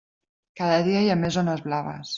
Cada dia hi ha més zones blaves.